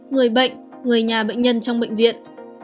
người bệnh người nhà bệnh nhân trong bệnh viện